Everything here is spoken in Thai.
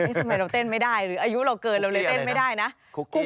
สมมติเราเต้นไม่ได้อายุเราเกินเราเลยเต้นไม่ได้นะคุกกี้อะไรนะ